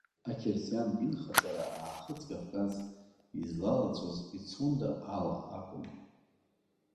Ақьырсиан динхаҵара Аахыҵ-Кавказ излалаҵәоз Пицунда ала акәын.